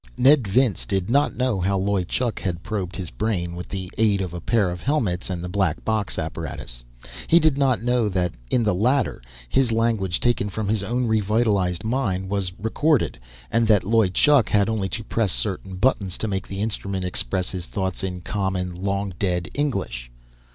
Ned Vince did not know how Loy Chuk had probed his brain, with the aid of a pair of helmets, and the black box apparatus. He did not know that in the latter, his language, taken from his own revitalized mind, was recorded, and that Loy Chuk had only to press certain buttons to make the instrument express his thoughts in common, long dead English.